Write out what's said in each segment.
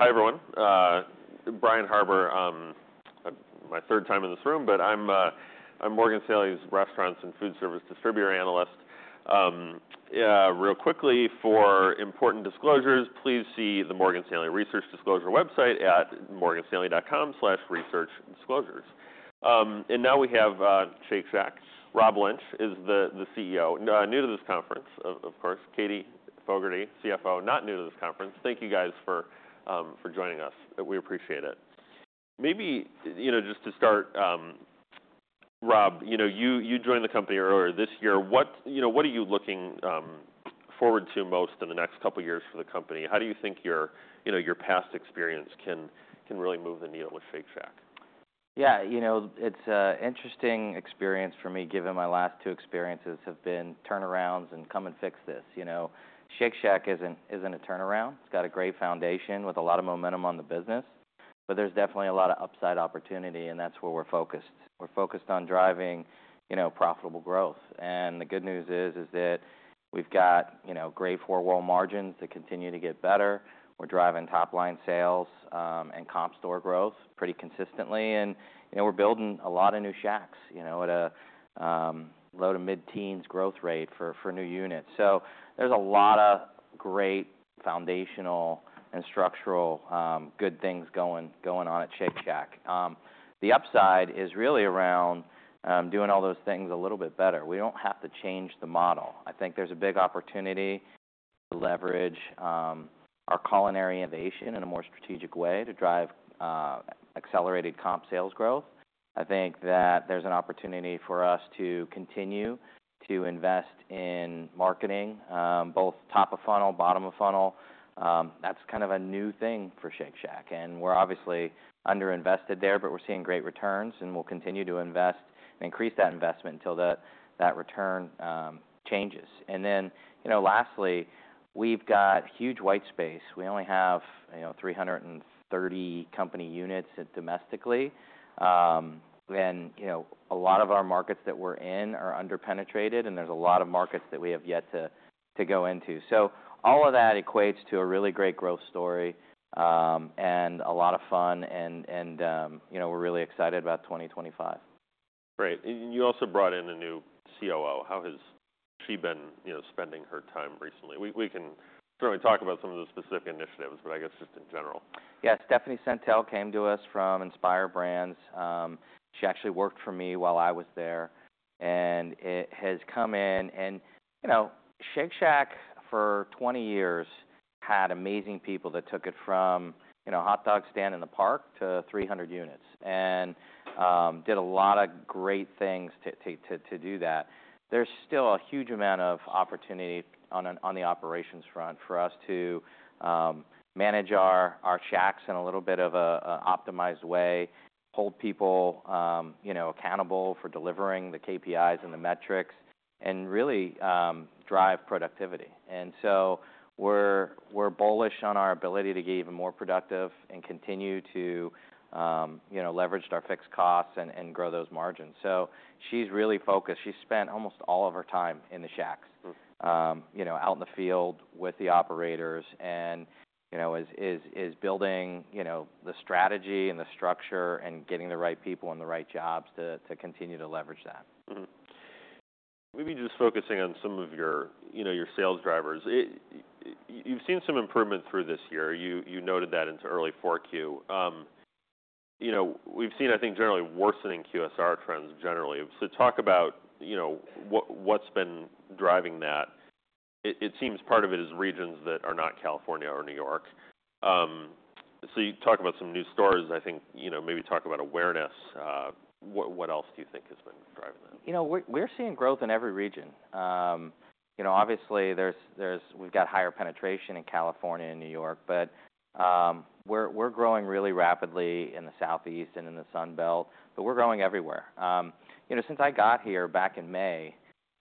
Hi everyone. Brian Harbour, my third time in this room, but I'm Morgan Stanley's restaurants and food service distributor analyst. Real quickly, for important disclosures, please see the Morgan Stanley Research Disclosure website at morganstanley.com/researchdisclosures. And now we have Shake Shack. Rob Lynch is the CEO, new to this conference, of course. Katie Fogertey, CFO, not new to this conference. Thank you guys for joining us. We appreciate it. Maybe, you know, just to start, Rob, you know, you joined the company earlier this year. What, you know, what are you looking forward to most in the next couple of years for the company? How do you think your, you know, your past experience can really move the needle with Shake Shack? Yeah, you know, it's an interesting experience for me given my last two experiences have been turnarounds and come and fix this. You know, Shake Shack isn't a turnaround. It's got a great foundation with a lot of momentum on the business, but there's definitely a lot of upside opportunity, and that's where we're focused. We're focused on driving, you know, profitable growth. And the good news is that we've got, you know, great four-wall margins that continue to get better. We're driving top-line sales, and comp store growth pretty consistently. And, you know, we're building a lot of new shacks, you know, at a low to mid-teens growth rate for new units. So there's a lot of great foundational and structural good things going on at Shake Shack. The upside is really around doing all those things a little bit better. We don't have to change the model. I think there's a big opportunity to leverage our culinary innovation in a more strategic way to drive accelerated comp sales growth. I think that there's an opportunity for us to continue to invest in marketing, both top of funnel, bottom of funnel. That's kind of a new thing for Shake Shack, and we're obviously underinvested there, but we're seeing great returns, and we'll continue to invest and increase that investment until that return changes. And then, you know, lastly, we've got huge white space. We only have, you know, 330 company units domestically. And, you know, a lot of our markets that we're in are underpenetrated, and there's a lot of markets that we have yet to go into. All of that equates to a really great growth story, and a lot of fun, and you know, we're really excited about 2025. Great. And you also brought in a new COO. How has she been, you know, spending her time recently? We can certainly talk about some of the specific initiatives, but I guess just in general. Yeah, Stephanie Sentell came to us from Inspire Brands. She actually worked for me while I was there, and she's come in. You know, Shake Shack for 20 years had amazing people that took it from, you know, hot dog stand in the park to 300 units and did a lot of great things to do that. There's still a huge amount of opportunity on the operations front for us to manage our shacks in a little bit of a optimized way, hold people, you know, accountable for delivering the KPIs and the metrics, and really drive productivity. And so we're bullish on our ability to get even more productive and continue to, you know, leverage our fixed costs and grow those margins. So she's really focused. She spent almost all of her time in the shacks, you know, out in the field with the operators and, you know, is building, you know, the strategy and the structure and getting the right people and the right jobs to continue to leverage that. Mm-hmm. Maybe just focusing on some of your, you know, your sales drivers. You've seen some improvement through this year. You noted that into early Q4. You know, we've seen, I think, generally worsening QSR trends generally. So talk about, you know, what’s been driving that. It seems part of it is regions that are not California or New York. So you talk about some new stores. I think, you know, maybe talk about awareness. What else do you think has been driving that? You know, we're seeing growth in every region. You know, obviously, we've got higher penetration in California and New York, but we're growing really rapidly in the southeast and in the Sun Belt, but we're growing everywhere. You know, since I got here back in May,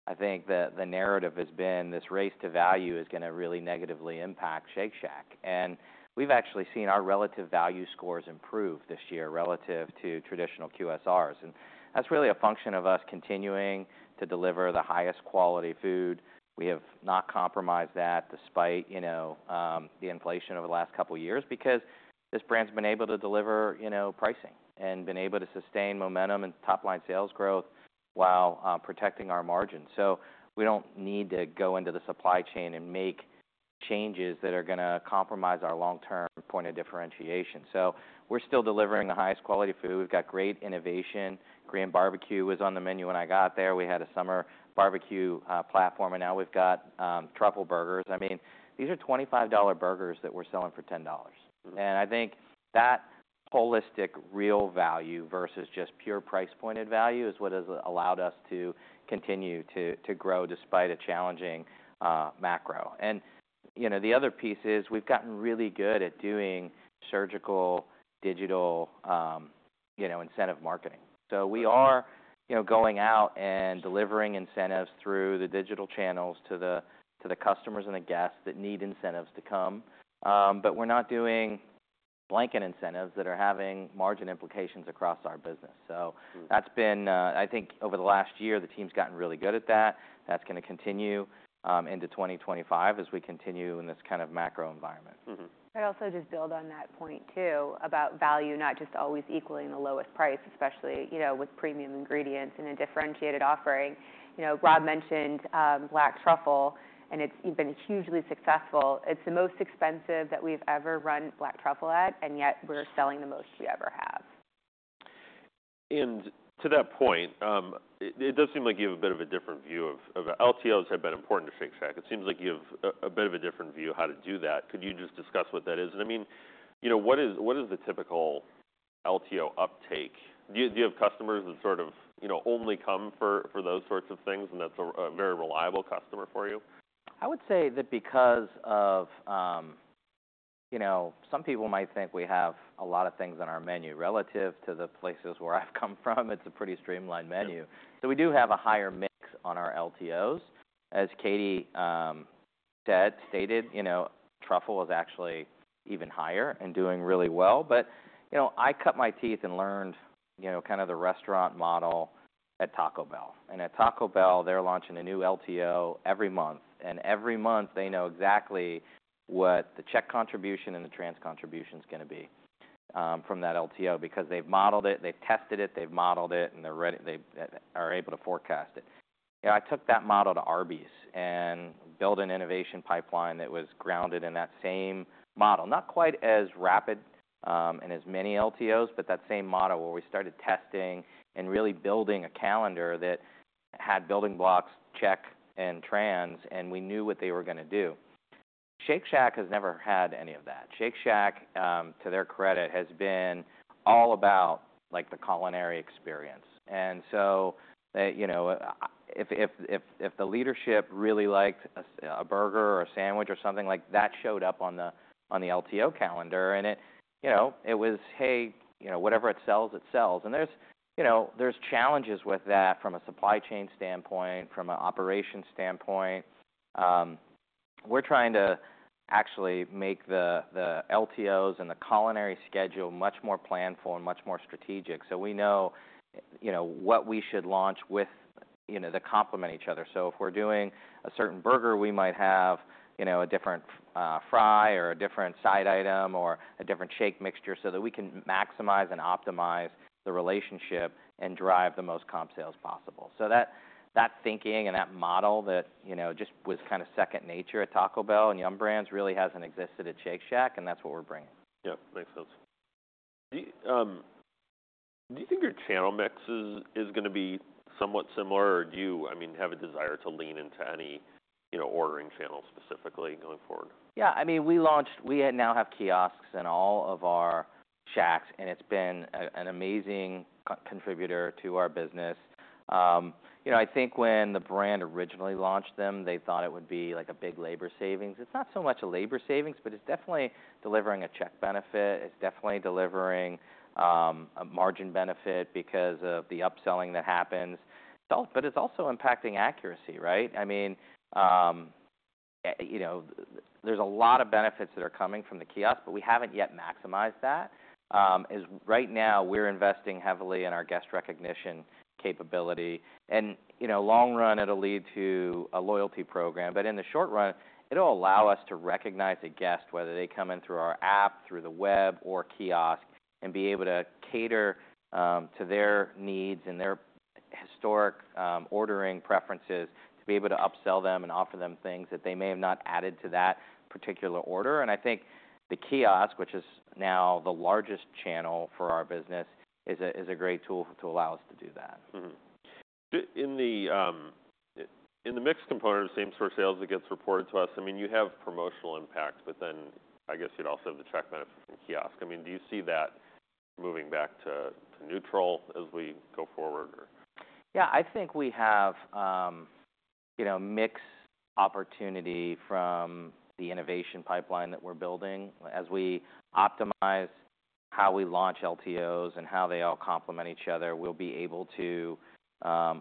I think that the narrative has been this race to value is gonna really negatively impact Shake Shack, and we've actually seen our relative value scores improve this year relative to traditional QSRs, and that's really a function of us continuing to deliver the highest quality food. We have not compromised that despite, you know, the inflation over the last couple of years because this brand's been able to deliver, you know, pricing and been able to sustain momentum and top-line sales growth while protecting our margins. So we don't need to go into the supply chain and make changes that are gonna compromise our long-term point of differentiation. So we're still delivering the highest quality food. We've got great innovation. Korean barbecue was on the menu when I got there. We had a summer barbecue platform, and now we've got truffle burgers. I mean, these are $25 burgers that we're selling for $10. And I think that holistic real value versus just pure price-pointed value is what has allowed us to continue to grow despite a challenging macro. And, you know, the other piece is we've gotten really good at doing surgical digital, you know, incentive marketing. So we are, you know, going out and delivering incentives through the digital channels to the customers and the guests that need incentives to come. But we're not doing blanket incentives that are having margin implications across our business. So that's been, I think, over the last year, the team's gotten really good at that. That's gonna continue into 2025 as we continue in this kind of macro environment. Mm-hmm. I'd also just build on that point too about value, not just always equaling the lowest price, especially, you know, with premium ingredients and a differentiated offering. You know, Rob mentioned black truffle, and it's. You've been hugely successful. It's the most expensive that we've ever run black truffle at, and yet we're selling the most we ever have. And to that point, it does seem like you have a bit of a different view of LTOs have been important to Shake Shack. It seems like you have a bit of a different view of how to do that. Could you just discuss what that is? And I mean, you know, what is the typical LTO uptake? Do you have customers that sort of, you know, only come for those sorts of things, and that's a very reliable customer for you? I would say that because of, you know, some people might think we have a lot of things on our menu. Relative to the places where I've come from, it's a pretty streamlined menu. So we do have a higher mix on our LTOs. As Katie said, you know, truffle was actually even higher and doing really well, but you know, I cut my teeth and learned, you know, kind of the restaurant model at Taco Bell, and at Taco Bell, they're launching a new LTO every month, and every month they know exactly what the check contribution and the trans contribution's gonna be, from that LTO because they've modeled it, they've tested it, and they're ready, they are able to forecast it. You know, I took that model to Arby's and built an innovation pipeline that was grounded in that same model. Not quite as rapid, and as many LTOs, but that same model where we started testing and really building a calendar that had building blocks, check, and trans, and we knew what they were gonna do. Shake Shack has never had any of that. Shake Shack, to their credit, has been all about, like, the culinary experience. And so they, you know, if the leadership really liked a burger or a sandwich or something like that, showed up on the LTO calendar, and it, you know, it was, "Hey, you know, whatever it sells, it sells." And there's, you know, there's challenges with that from a supply chain standpoint, from an operations standpoint. We're trying to actually make the LTOs and the culinary schedule much more planful and much more strategic so we know, you know, what we should launch with, you know, that complement each other. So if we're doing a certain burger, we might have, you know, a different fry or a different side item or a different shake mixture so that we can maximize and optimize the relationship and drive the most comp sales possible. So that thinking and that model that, you know, just was kind of second nature at Taco Bell and Yum! Brands really hasn't existed at Shake Shack, and that's what we're bringing. Yeah, makes sense. Do you think your channel mix is gonna be somewhat similar, or do you, I mean, have a desire to lean into any, you know, ordering channels specifically going forward? Yeah, I mean, we launched. We now have kiosks in all of our shacks, and it's been an amazing contributor to our business. You know, I think when the brand originally launched them, they thought it would be like a big labor savings. It's not so much a labor savings, but it's definitely delivering a check benefit. It's definitely delivering a margin benefit because of the upselling that happens. But it's also impacting accuracy, right? I mean, you know, there's a lot of benefits that are coming from the kiosk, but we haven't yet maximized that, and right now, we're investing heavily in our guest recognition capability. You know, long run, it'll lead to a loyalty program, but in the short run, it'll allow us to recognize a guest, whether they come in through our app, through the web, or kiosk, and be able to cater to their needs and their historic ordering preferences to be able to upsell them and offer them things that they may have not added to that particular order. I think the kiosk, which is now the largest channel for our business, is a great tool to allow us to do that. In the mix component of same-store sales that gets reported to us, I mean, you have promotional impact, but then I guess you'd also have the check benefit from kiosk. I mean, do you see that moving back to neutral as we go forward or? Yeah, I think we have, you know, mixed opportunity from the innovation pipeline that we're building. As we optimize how we launch LTOs and how they all complement each other, we'll be able to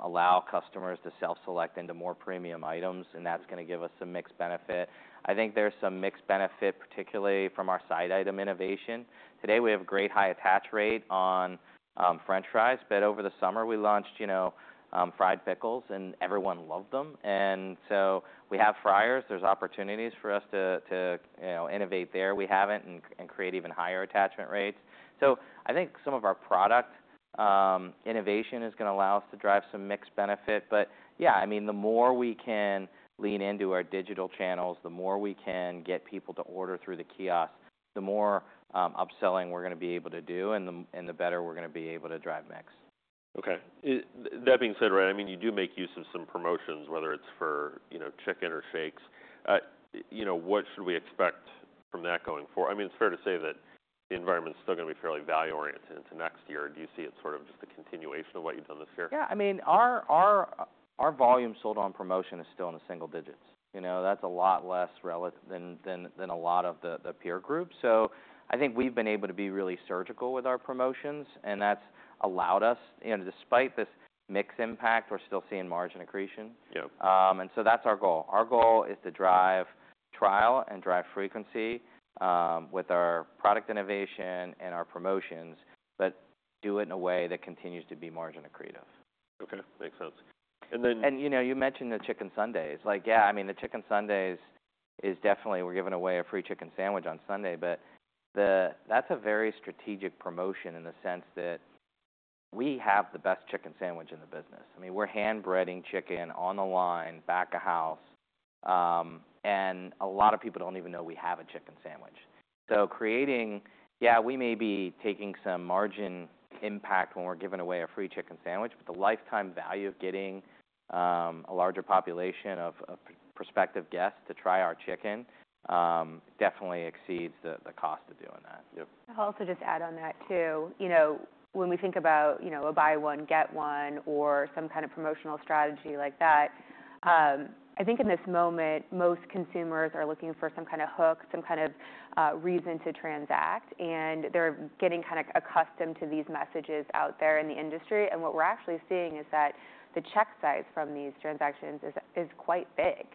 allow customers to self-select into more premium items, and that's gonna give us some mixed benefit. I think there's some mixed benefit, particularly from our side item innovation. Today, we have great high attach rate on french fries, but over the summer, we launched, you know, fried pickles, and everyone loved them, and so we have fryers. There's opportunities for us to, you know, innovate there. We have 'em and create even higher attachment rates, so I think some of our product innovation is gonna allow us to drive some mixed benefit. But yeah, I mean, the more we can lean into our digital channels, the more we can get people to order through the kiosk, the more upselling we're gonna be able to do, and the, and the better we're gonna be able to drive mix. Okay. That being said, right, I mean, you do make use of some promotions, whether it's for, you know, chicken or shakes. You know, what should we expect from that going forward? I mean, it's fair to say that the environment's still gonna be fairly value-oriented into next year. Do you see it sort of just a continuation of what you've done this year? Yeah, I mean, our volume sold on promotion is still in the single digits. You know, that's a lot less relative than a lot of the peer group. So I think we've been able to be really surgical with our promotions, and that's allowed us, you know, despite this mixed impact, we're still seeing margin accretion. Yeah. And so that's our goal. Our goal is to drive trial and drive frequency, with our product innovation and our promotions, but do it in a way that continues to be margin accretive. Okay, makes sense. And then. You know, you mentioned the Chicken Sundays. Like, yeah, I mean, the Chicken Sundays is definitely, we're giving away a free chicken sandwich on Sunday, but that's a very strategic promotion in the sense that we have the best chicken sandwich in the business. I mean, we're hand-breading chicken on the line, back of house, and a lot of people don't even know we have a chicken sandwich. So creating, yeah, we may be taking some margin impact when we're giving away a free chicken sandwich, but the lifetime value of getting a larger population of prospective guests to try our chicken definitely exceeds the cost of doing that. Yep. I'll also just add on that too. You know, when we think about, you know, a buy one, get one or some kind of promotional strategy like that, I think in this moment, most consumers are looking for some kind of hook, some kind of reason to transact, and they're getting kind of accustomed to these messages out there in the industry. And what we're actually seeing is that the check size from these transactions is quite big.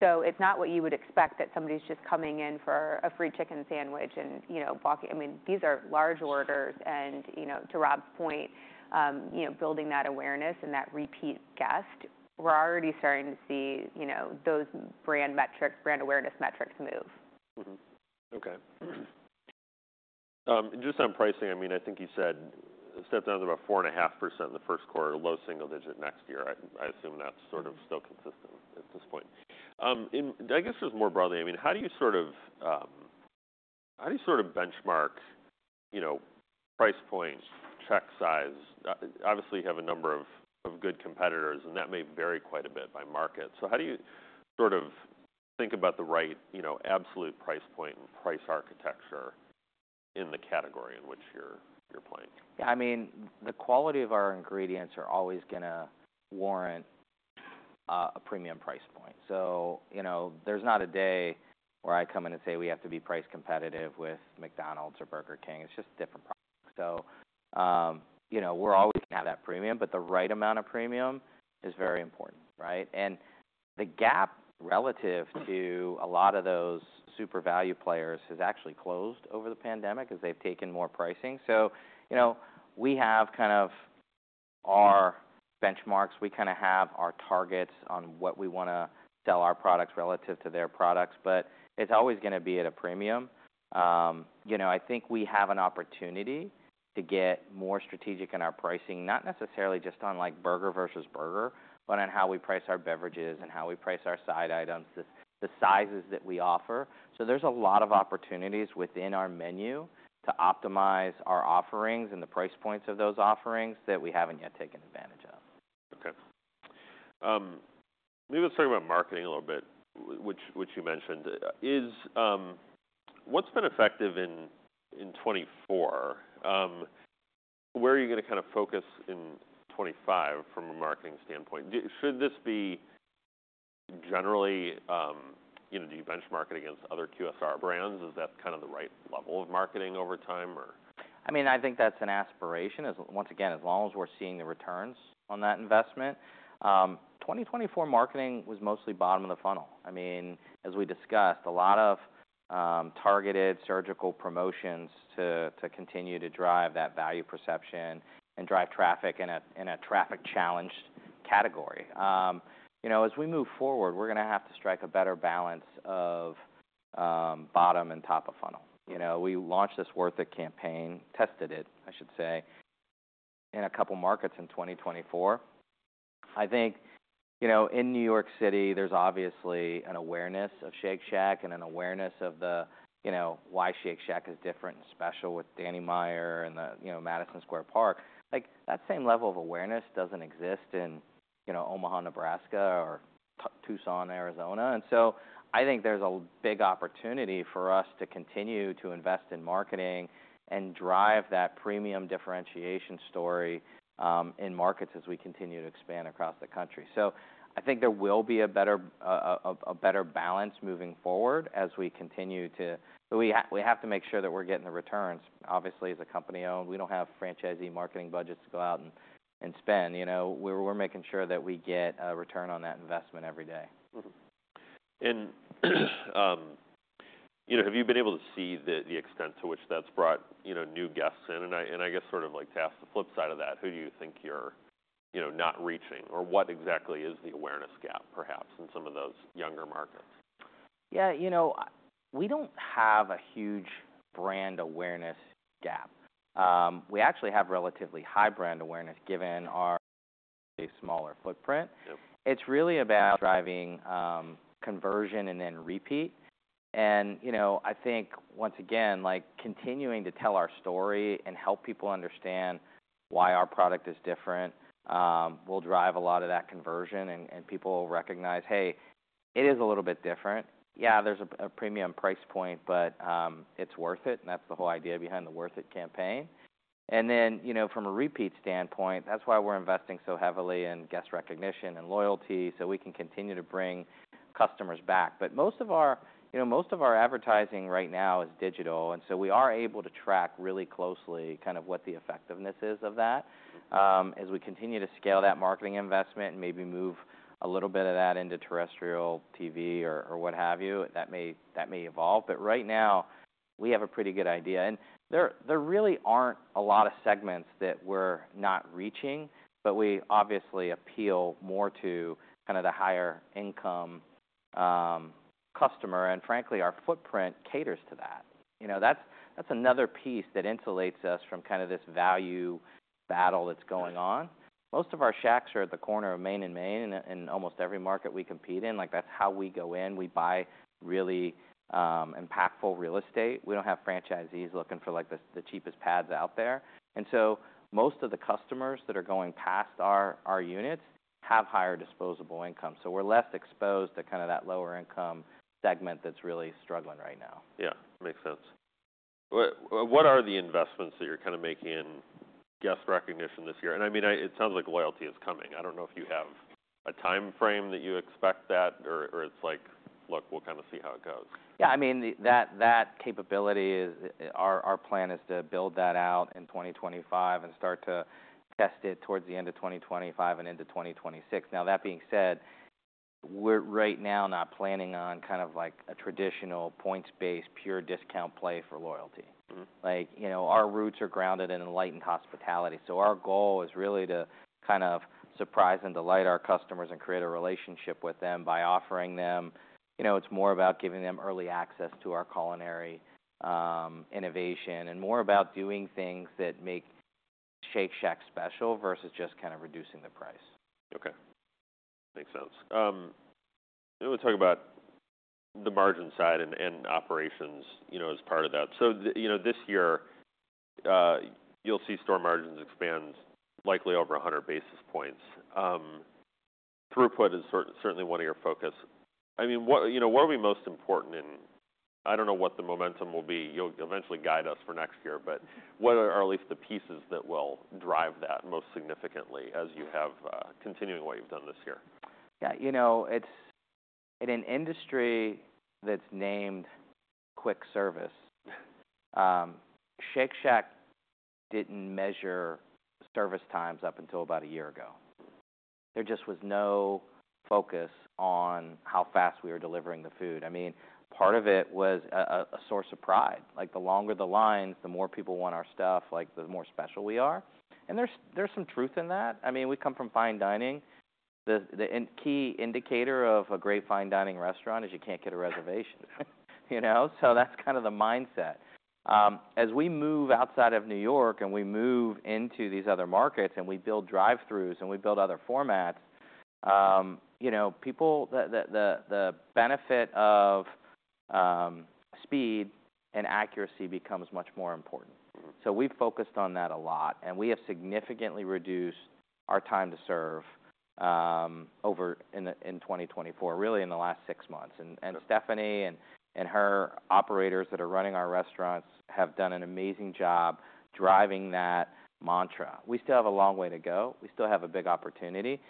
So it's not what you would expect that somebody's just coming in for a free chicken sandwich and, you know, walking. I mean, these are large orders. And, you know, to Rob's point, you know, building that awareness and that repeat guest, we're already starting to see, you know, those brand metrics, brand awareness metrics move. Mm-hmm. Okay. Just on pricing, I mean, I think you said stepped down to about 4.5% in the first quarter, low single digit next year. I assume that's sort of still consistent at this point. And I guess just more broadly, I mean, how do you sort of benchmark, you know, price point, check size? Obviously you have a number of good competitors, and that may vary quite a bit by market. So how do you sort of think about the right, you know, absolute price point and price architecture in the category in which you're playing? Yeah, I mean, the quality of our ingredients are always gonna warrant a premium price point. So, you know, there's not a day where I come in and say we have to be price competitive with McDonald's or Burger King. It's just different products. So, you know, we're always gonna have that premium, but the right amount of premium is very important, right? And the gap relative to a lot of those super value players has actually closed over the pandemic as they've taken more pricing. So, you know, we have kind of our benchmarks. We kind of have our targets on what we wanna sell our products relative to their products, but it's always gonna be at a premium. You know, I think we have an opportunity to get more strategic in our pricing, not necessarily just on like burger versus burger, but on how we price our beverages and how we price our side items, the sizes that we offer. So there's a lot of opportunities within our menu to optimize our offerings and the price points of those offerings that we haven't yet taken advantage of. Okay. Maybe let's talk about marketing a little bit, which you mentioned. What's been effective in 2024? Where are you gonna kind of focus in 2025 from a marketing standpoint? Should this be generally, you know, do you benchmark it against other QSR brands? Is that kind of the right level of marketing over time or? I mean, I think that's an aspiration as, once again, as long as we're seeing the returns on that investment. 2024 marketing was mostly bottom of the funnel. I mean, as we discussed, a lot of, targeted surgical promotions to, to continue to drive that value perception and drive traffic in a, in a traffic challenged category. You know, as we move forward, we're gonna have to strike a better balance of, bottom and top of funnel. You know, we launched this Worth It campaign, tested it, I should say, in a couple markets in 2024. I think, you know, in New York City, there's obviously an awareness of Shake Shack and an awareness of the, you know, why Shake Shack is different and special with Danny Meyer and the, you know, Madison Square Park. Like, that same level of awareness doesn't exist in, you know, Omaha, Nebraska, or Tucson, Arizona. And so I think there's a big opportunity for us to continue to invest in marketing and drive that premium differentiation story, in markets as we continue to expand across the country. So I think there will be a better balance moving forward as we continue to, we have to make sure that we're getting the returns. Obviously, as a company owned, we don't have franchisee marketing budgets to go out and spend. You know, we're making sure that we get a return on that investment every day. Mm-hmm. And, you know, have you been able to see the extent to which that's brought, you know, new guests in? And I guess sort of like to ask the flip side of that, who do you think you're, you know, not reaching or what exactly is the awareness gap perhaps in some of those younger markets? Yeah, you know, we don't have a huge brand awareness gap. We actually have relatively high brand awareness given our smaller footprint. Yep. It's really about driving conversion and then repeat. And, you know, I think once again, like continuing to tell our story and help people understand why our product is different, will drive a lot of that conversion, and people will recognize, "Hey, it is a little bit different. Yeah, there's a premium price point, but it's worth it." And that's the whole idea behind the Worth It campaign. And then, you know, from a repeat standpoint, that's why we're investing so heavily in guest recognition and loyalty so we can continue to bring customers back. But most of our, you know, most of our advertising right now is digital, and so we are able to track really closely kind of what the effectiveness is of that. As we continue to scale that marketing investment and maybe move a little bit of that into terrestrial TV or what have you, that may evolve. But right now, we have a pretty good idea. And there really aren't a lot of segments that we're not reaching, but we obviously appeal more to kind of the higher income customer. And frankly, our footprint caters to that. You know, that's another piece that insulates us from kind of this value battle that's going on. Most of our shacks are at the corner of Main and Main in almost every market we compete in. Like, that's how we go in. We buy really impactful real estate. We don't have franchisees looking for like the cheapest pads out there. And so most of the customers that are going past our units have higher disposable income. So we're less exposed to kind of that lower income segment that's really struggling right now. Yeah, makes sense. What are the investments that you're kind of making in guest recognition this year? And I mean, it sounds like loyalty is coming. I don't know if you have a timeframe that you expect that or, or it's like, "Look, we'll kind of see how it goes. Yeah, I mean, that capability is. Our plan is to build that out in 2025 and start to test it towards the end of 2025 and into 2026. Now, that being said, we're right now not planning on kind of like a traditional points-based pure discount play for loyalty. Mm-hmm. Like, you know, our roots are grounded in Enlightened Hospitality. So our goal is really to kind of surprise and delight our customers and create a relationship with them by offering them, you know, it's more about giving them early access to our culinary innovation and more about doing things that make Shake Shack special versus just kind of reducing the price. Okay, makes sense. Let's talk about the margin side and operations, you know, as part of that. So, you know, this year, you'll see store margins expand likely over a hundred basis points. Throughput is certainly one of your focus. I mean, what, you know, what'll be most important in, I don't know what the momentum will be, you'll eventually guide us for next year, but what are at least the pieces that will drive that most significantly as you have, continuing what you've done this year? Yeah, you know, it's in an industry that's named quick service. Shake Shack didn't measure service times up until about a year ago. There just was no focus on how fast we were delivering the food. I mean, part of it was a source of pride. Like, the longer the lines, the more people want our stuff, like the more special we are. And there's some truth in that. I mean, we come from fine dining. The key indicator of a great fine dining restaurant is you can't get a reservation, you know? So that's kind of the mindset. As we move outside of New York and we move into these other markets and we build drive-throughs and we build other formats, you know, people, the benefit of speed and accuracy becomes much more important. Mm-hmm. So we've focused on that a lot, and we have significantly reduced our time to serve over in 2024, really in the last six months. And Stephanie and her operators that are running our restaurants have done an amazing job driving that mantra. We still have a long way to go. We still have a big opportunity.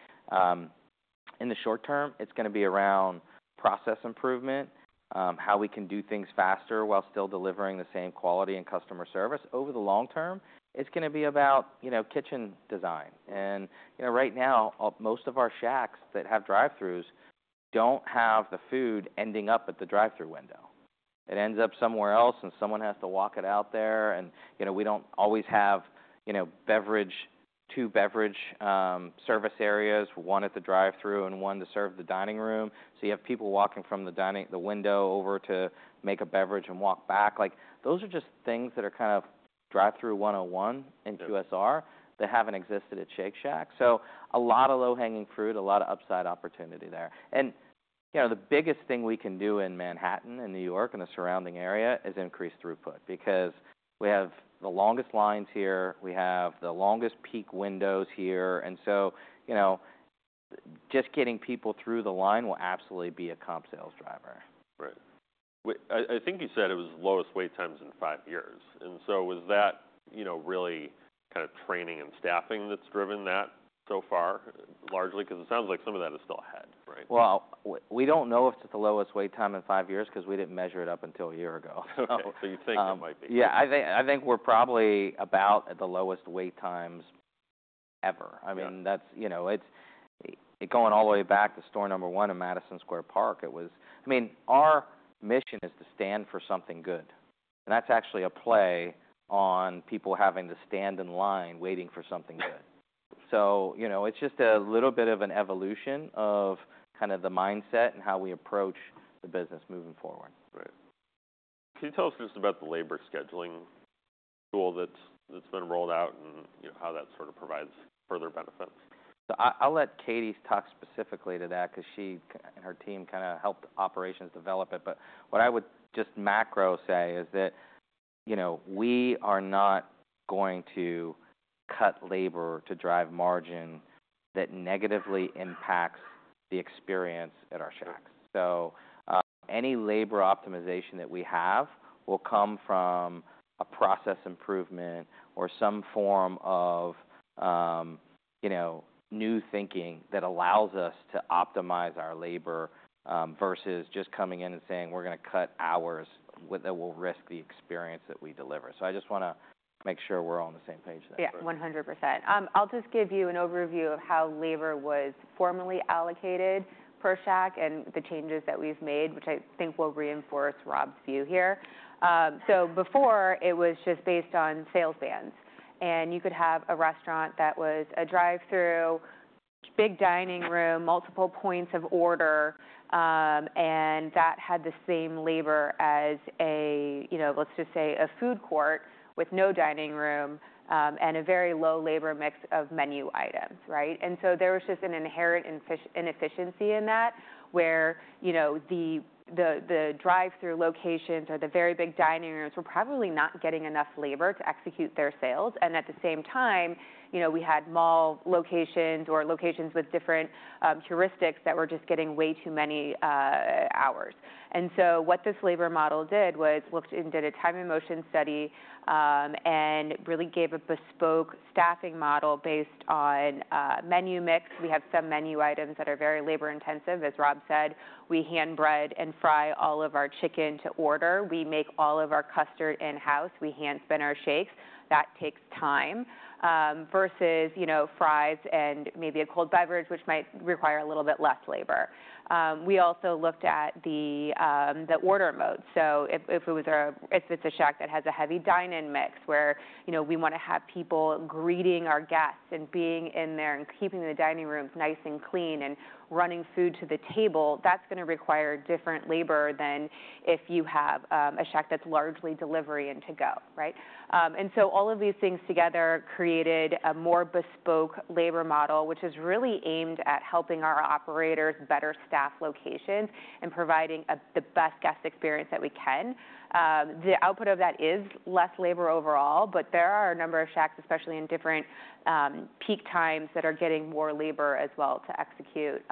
In the short term, it's gonna be around process improvement, how we can do things faster while still delivering the same quality and customer service. Over the long term, it's gonna be about, you know, kitchen design. And, you know, right now, most of our shacks that have drive-throughs don't have the food ending up at the drive-through window. It ends up somewhere else, and someone has to walk it out there. You know, we don't always have, you know, two beverage service areas, one at the drive-through and one to serve the dining room. So you have people walking from the dining window over to make a beverage and walk back. Like, those are just things that are kind of drive-through 101 in QSR that haven't existed at Shake Shack. So a lot of low-hanging fruit, a lot of upside opportunity there. You know, the biggest thing we can do in Manhattan and New York and the surrounding area is increase throughput because we have the longest lines here. We have the longest peak windows here. So you know, just getting people through the line will absolutely be a comp sales driver. Right, well, I think you said it was lowest wait times in five years, and so was that, you know, really kind of training and staffing that's driven that so far largely? 'Cause it sounds like some of that is still ahead, right? We don't know if it's the lowest wait time in five years 'cause we didn't measure it up until a year ago. Oh, so you think it might be. Yeah, I think, I think we're probably about at the lowest wait times ever. I mean, that's, you know, it's going all the way back to store number one in Madison Square Park. It was, I mean, our mission is to Stand For Something Good. And that's actually a play on people having to stand in line waiting for something good. So, you know, it's just a little bit of an evolution of kind of the mindset and how we approach the business moving forward. Right. Can you tell us just about the labor scheduling tool that's been rolled out and, you know, how that sort of provides further benefits? So I, I'll let Katie talk specifically to that 'cause she and her team kind of helped operations develop it. But what I would just macro say is that, you know, we are not going to cut labor to drive margin that negatively impacts the experience at our shacks. So, any labor optimization that we have will come from a process improvement or some form of, you know, new thinking that allows us to optimize our labor, versus just coming in and saying, "We're gonna cut hours that will risk the experience that we deliver." So I just wanna make sure we're all on the same page there. Yeah, 100%. I'll just give you an overview of how labor was formally allocated per shack and the changes that we've made, which I think will reinforce Rob's view here. So before it was just based on sales bands. And you could have a restaurant that was a drive-through, big dining room, multiple points of order, and that had the same labor as a, you know, let's just say a food court with no dining room, and a very low labor mix of menu items, right? And so there was just an inherent inefficiency in that where, you know, the drive-through locations or the very big dining rooms were probably not getting enough labor to execute their sales. And at the same time, you know, we had mall locations or locations with different heuristics that were just getting way too many hours. And so what this labor model did was looked and did a time and motion study, and really gave a bespoke staffing model based on menu mix. We have some menu items that are very labor intensive. As Rob said, we hand bread and fry all of our chicken to order. We make all of our custard in-house. We hand spin our shakes. That takes time, versus you know fries and maybe a cold beverage, which might require a little bit less labor. We also looked at the order mode. So if it's a shack that has a heavy dine-in mix where, you know, we wanna have people greeting our guests and being in there and keeping the dining rooms nice and clean and running food to the table, that's gonna require different labor than if you have a shack that's largely delivery and to go, right? And so all of these things together created a more bespoke labor model, which is really aimed at helping our operators better staff locations and providing the best guest experience that we can. The output of that is less labor overall, but there are a number of shacks, especially in different peak times that are getting more labor as well to execute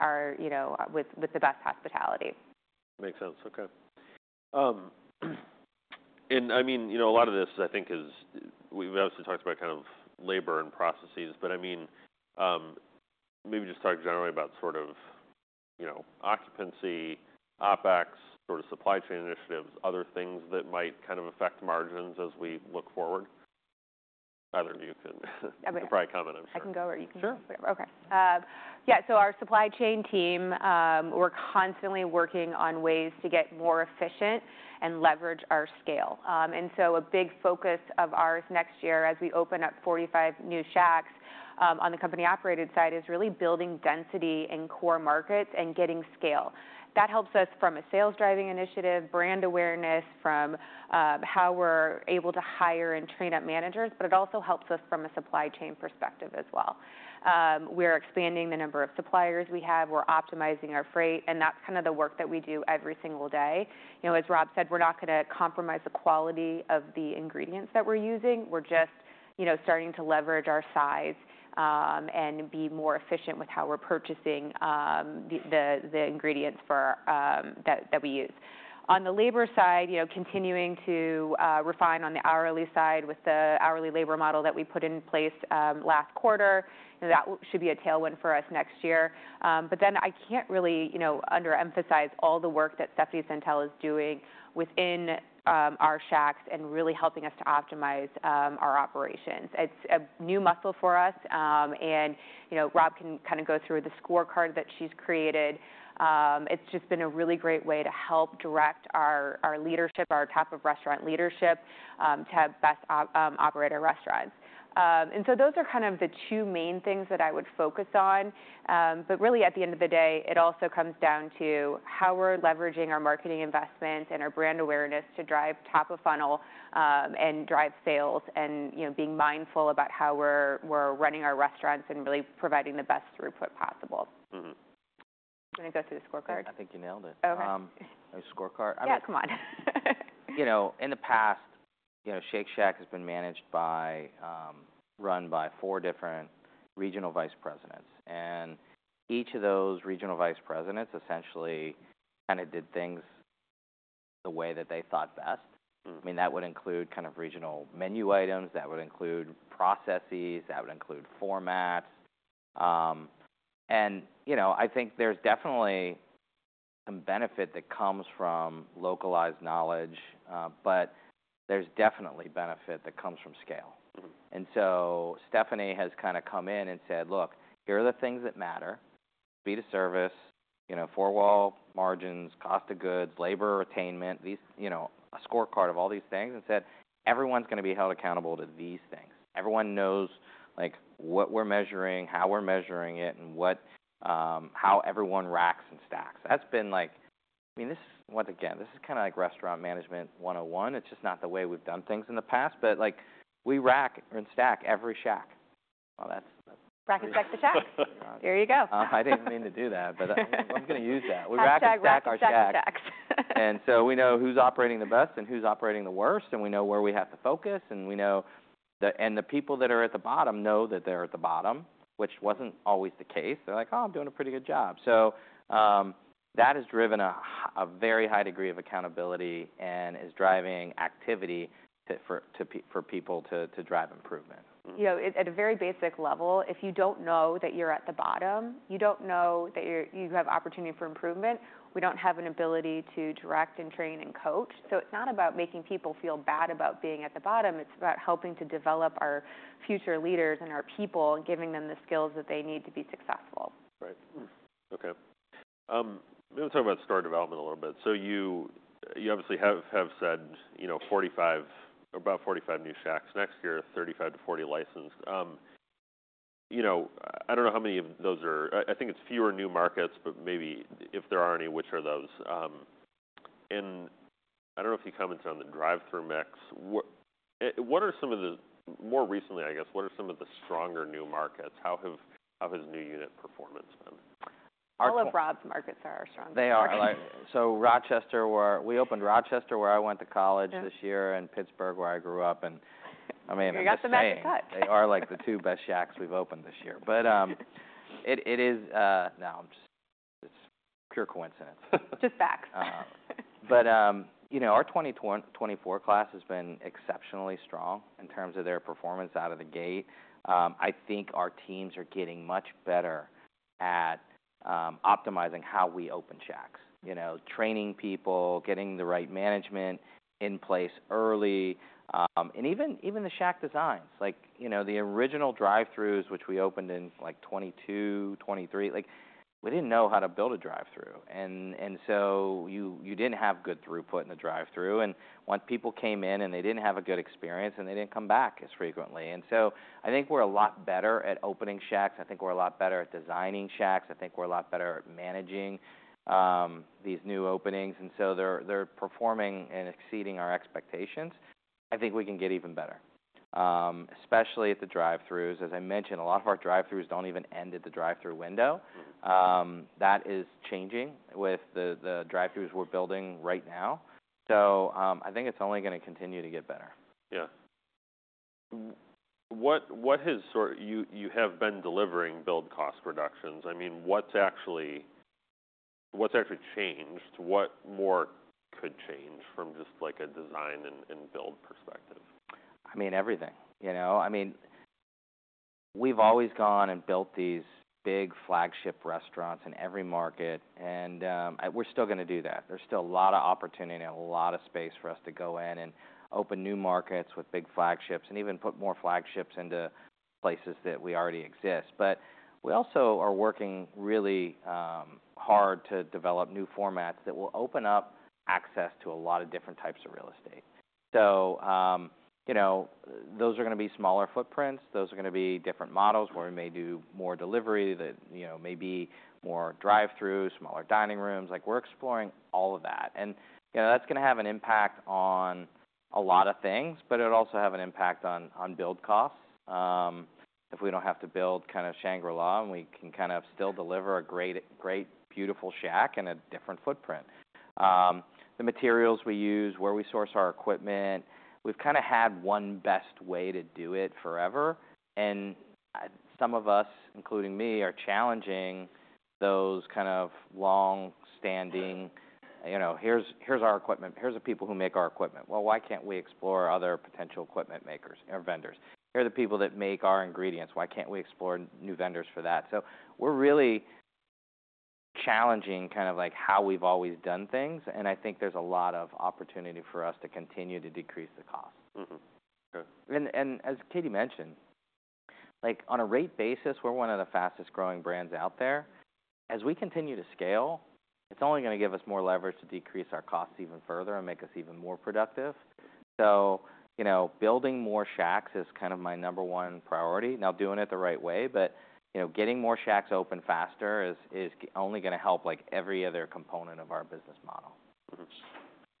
our, you know, with the best hospitality. Makes sense. Okay. And I mean, you know, a lot of this I think is, we've obviously talked about kind of labor and processes, but I mean, maybe just talk generally about sort of, you know, occupancy, OpEx, sort of supply chain initiatives, other things that might kind of affect margins as we look forward. Either of you can provide comment. I can go or you can go. Sure. Whatever. Okay. Yeah, so our supply chain team, we're constantly working on ways to get more efficient and leverage our scale. And so a big focus of ours next year as we open up 45 new shacks, on the company operated side is really building density in core markets and getting scale. That helps us from a sales driving initiative, brand awareness from, how we're able to hire and train up managers, but it also helps us from a supply chain perspective as well. We're expanding the number of suppliers we have. We're optimizing our freight, and that's kind of the work that we do every single day. You know, as Rob said, we're not gonna compromise the quality of the ingredients that we're using. We're just, you know, starting to leverage our size, and be more efficient with how we're purchasing the ingredients for that we use. On the labor side, you know, continuing to refine on the hourly side with the hourly labor model that we put in place last quarter. That should be a tailwind for us next year. But then I can't really, you know, underemphasize all the work that Stephanie Sentell is doing within our shacks and really helping us to optimize our operations. It's a new muscle for us. And, you know, Rob can kind of go through the scorecard that she's created. It's just been a really great way to help direct our leadership, our top of restaurant leadership, to have best operator restaurants. And so those are kind of the two main things that I would focus on. But really at the end of the day, it also comes down to how we're leveraging our marketing investments and our brand awareness to drive top of funnel, and drive sales and, you know, being mindful about how we're running our restaurants and really providing the best throughput possible. Mm-hmm. I'm gonna go through the scorecard. I think you nailed it. Okay. scorecard. Yeah, come on. You know, in the past, you know, Shake Shack has been managed by, run by four different regional vice presidents, and each of those regional vice presidents essentially kind of did things the way that they thought best. Mm-hmm. I mean, that would include kind of regional menu items. That would include processes. That would include formats, and, you know, I think there's definitely some benefit that comes from localized knowledge, but there's definitely benefit that comes from scale. Mm-hmm. And so Stephanie has kind of come in and said, "Look, here are the things that matter: speed of service, you know, four-wall margins, cost of goods, labor attainment, these, you know, a scorecard of all these things," and said, "Everyone's gonna be held accountable to these things. Everyone knows, like, what we're measuring, how we're measuring it, and what, how everyone racks and stacks." That's been like, I mean, this is once again, this is kind of like restaurant management 101. It's just not the way we've done things in the past, but like, we rack and stack every shack. Well, that's. Rack and stack the shack. There you go. I didn't mean to do that, but I'm gonna use that. We rack and stack our shacks. Rack and stack our shacks. And so we know who's operating the best and who's operating the worst, and we know where we have to focus, and we know the people that are at the bottom know that they're at the bottom, which wasn't always the case. They're like, "Oh, I'm doing a pretty good job." So, that has driven a very high degree of accountability and is driving activity for people to drive improvement. You know, at a very basic level, if you don't know that you're at the bottom, you don't know that you have opportunity for improvement. We don't have an ability to direct and train and coach. So it's not about making people feel bad about being at the bottom. It's about helping to develop our future leaders and our people and giving them the skills that they need to be successful. Right. Okay. Maybe we'll talk about store development a little bit. So you obviously have said, you know, about 45 new Shacks next year, 35 to 40 licensed. You know, I don't know how many of those are. I think it's fewer new markets, but maybe if there are any, which are those? I don't know if you commented on the drive-through mix. What are some of the more recent, I guess, what are some of the stronger new markets? How has new unit performance been? All of Rob's markets are our strong markets. They are. So Rochester, where we opened, where I went to college this year, and Pittsburgh, where I grew up. And I mean. You got the magic cut. They are like the two best shacks we've opened this year. But it is. It's pure coincidence. Just facts. But, you know, our 2024 class has been exceptionally strong in terms of their performance out of the gate. I think our teams are getting much better at optimizing how we open shacks, you know, training people, getting the right management in place early. And even the shack designs, like, you know, the original drive-throughs, which we opened in like 2022, 2023, like we didn't know how to build a drive-through. And so you didn't have good throughput in the drive-through. And once people came in and they didn't have a good experience, and they didn't come back as frequently. And so I think we're a lot better at opening shacks. I think we're a lot better at designing shacks. I think we're a lot better at managing these new openings. And so they're performing and exceeding our expectations. I think we can get even better, especially at the drive-throughs. As I mentioned, a lot of our drive-throughs don't even end at the drive-through window. That is changing with the drive-throughs we're building right now. So, I think it's only gonna continue to get better. Yeah. What has sort of you have been delivering build cost reductions? I mean, what's actually changed? What more could change from just like a design and build perspective? I mean, everything, you know. I mean, we've always gone and built these big flagship restaurants in every market, and we're still gonna do that. There's still a lot of opportunity and a lot of space for us to go in and open new markets with big flagships and even put more flagships into places that we already exist. But we also are working really hard to develop new formats that will open up access to a lot of different types of real estate. So, you know, those are gonna be smaller footprints. Those are gonna be different models where we may do more delivery that, you know, maybe more drive-throughs, smaller dining rooms. Like we're exploring all of that. And, you know, that's gonna have an impact on a lot of things, but it'll also have an impact on build costs. If we don't have to build kind of Shangri-La and we can kind of still deliver a great, great, beautiful shack in a different footprint. The materials we use, where we source our equipment, we've kind of had one best way to do it forever. And some of us, including me, are challenging those kind of longstanding, you know, here's our equipment. Here's the people who make our equipment. Well, why can't we explore other potential equipment makers or vendors? Here are the people that make our ingredients. Why can't we explore new vendors for that? So we're really challenging kind of like how we've always done things. And I think there's a lot of opportunity for us to continue to decrease the cost. Mm-hmm. Okay. As Katie mentioned, like on a rate basis, we're one of the fastest growing brands out there. As we continue to scale, it's only gonna give us more leverage to decrease our costs even further and make us even more productive. You know, building more shacks is kind of my number one priority. Now, doing it the right way, but you know, getting more shacks open faster is only gonna help like every other component of our business model. Mm-hmm.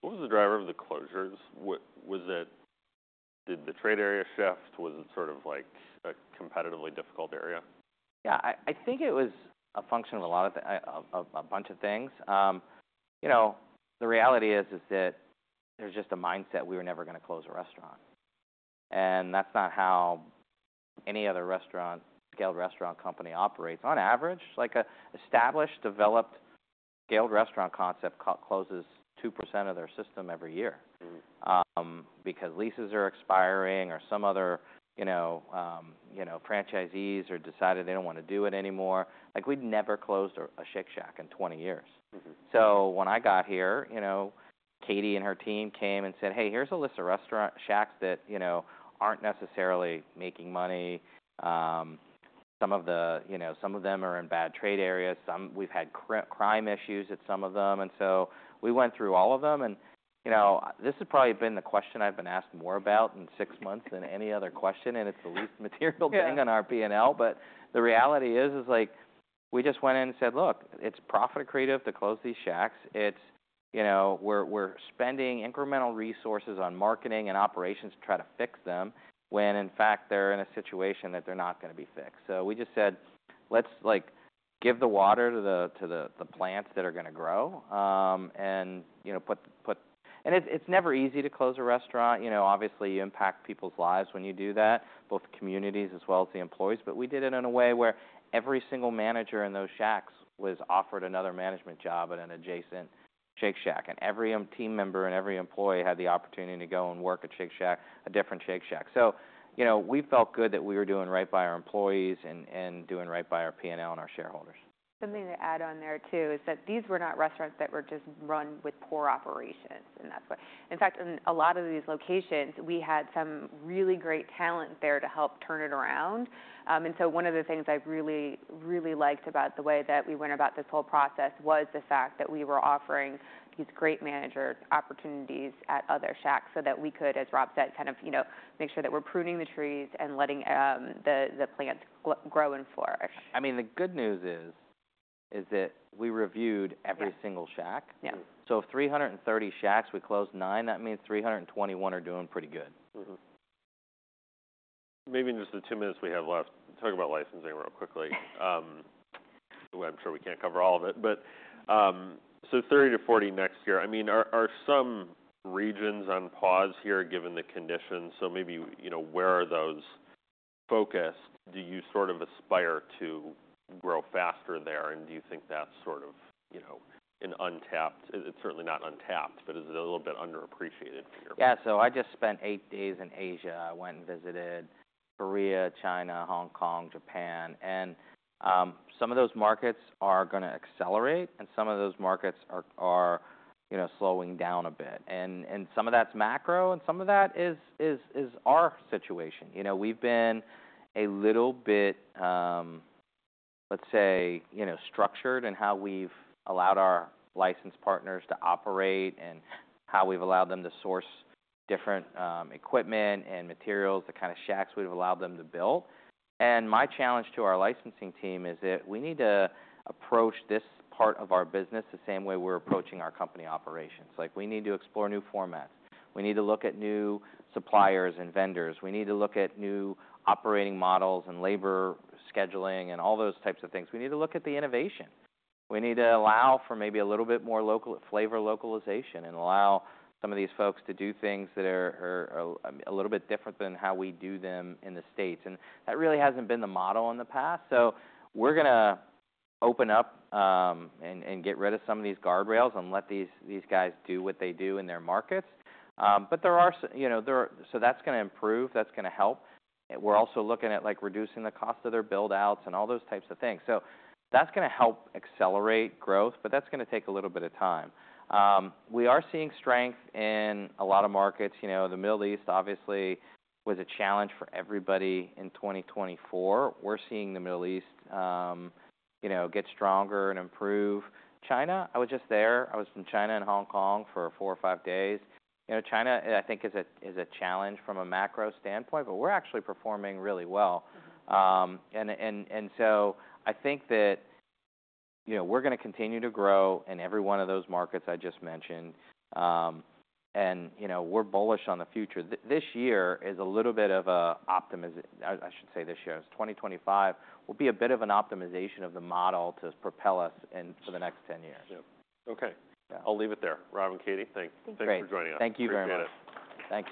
What was the driver of the closures? What was it? Did the trade area shift? Was it sort of like a competitively difficult area? Yeah. I think it was a function of a lot of things, a bunch of things. You know, the reality is that there's just a mindset we were never gonna close a restaurant, and that's not how any other scaled restaurant company operates. On average, like an established, developed, scaled restaurant concept closes 2% of their system every year. Mm-hmm. because leases are expiring or some other, you know, franchisees have decided they don't wanna do it anymore. Like we'd never closed a Shake Shack in 20 years. Mm-hmm. So when I got here, you know, Katie and her team came and said, "Hey, here's a list of Shack restaurants that, you know, aren't necessarily making money." Some of the, you know, some of them are in bad trade areas. Some we've had crime issues at some of them. And so we went through all of them and, you know, this has probably been the question I've been asked more about in six months than any other question. And it's the least material thing on our P&L. But the reality is, is like we just went in and said, "Look, it's profit accretive to close these shacks. It's, you know, we're spending incremental resources on marketing and operations to try to fix them when in fact they're in a situation that they're not gonna be fixed. So we just said, "Let's like give the water to the plants that are gonna grow, and, you know, put." And it's never easy to close a restaurant. You know, obviously you impact people's lives when you do that, both communities as well as the employees. But we did it in a way where every single manager in those shacks was offered another management job at an adjacent Shake Shack. And every team member and every employee had the opportunity to go and work at Shake Shack, a different Shake Shack. So, you know, we felt good that we were doing right by our employees and doing right by our P&L and our shareholders. Something to add on there too is that these were not restaurants that were just run with poor operations, and that's what, in fact, in a lot of these locations, we had some really great talent there to help turn it around, and so one of the things I really, really liked about the way that we went about this whole process was the fact that we were offering these great manager opportunities at other shacks so that we could, as Rob said, kind of, you know, make sure that we're pruning the trees and letting the plants grow and flourish. I mean, the good news is that we reviewed every single shack. Yeah. So of 330 shacks, we closed nine. That means 321 are doing pretty good. Mm-hmm. Maybe in just the two minutes we have left, talk about licensing real quickly. I'm sure we can't cover all of it, but so 30 to 40 next year. I mean, are some regions on pause here given the conditions? So maybe, you know, where are those focused? Do you sort of aspire to grow faster there? And do you think that's sort of, you know, an untapped? It's certainly not untapped, but is it a little bit underappreciated for your? Yeah. So I just spent eight days in Asia. I went and visited Korea, China, Hong Kong, Japan. And some of those markets are gonna accelerate and some of those markets are, you know, slowing down a bit. And some of that's macro and some of that is our situation. You know, we've been a little bit, let's say, you know, structured in how we've allowed our licensed partners to operate and how we've allowed them to source different equipment and materials, the kind of shacks we've allowed them to build. And my challenge to our licensing team is that we need to approach this part of our business the same way we're approaching our company operations. Like we need to explore new formats. We need to look at new suppliers and vendors. We need to look at new operating models and labor scheduling and all those types of things. We need to look at the innovation. We need to allow for maybe a little bit more local flavor localization and allow some of these folks to do things that are a little bit different than how we do them in the States, and that really hasn't been the model in the past, so we're gonna open up and get rid of some of these guardrails and let these guys do what they do in their markets, but there are, you know, so that's gonna improve. That's gonna help. We're also looking at like reducing the cost of their buildouts and all those types of things, so that's gonna help accelerate growth, but that's gonna take a little bit of time. We are seeing strength in a lot of markets. You know, the Middle East obviously was a challenge for everybody in 2024. We're seeing the Middle East, you know, get stronger and improve. China, I was just there. I was in China and Hong Kong for four or five days. You know, China, I think is a challenge from a macro standpoint, but we're actually performing really well, and so I think that, you know, we're gonna continue to grow in every one of those markets I just mentioned. And, you know, we're bullish on the future. I should say, 2025 will be a bit of an optimization of the model to propel us in for the next 10 years. Yeah. Okay. I'll leave it there. Rob and Katie, thanks. Thank you. Thanks for joining us. Thank you very much. Thanks.